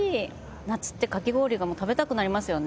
夏ってかき氷が食べたくなりますよね。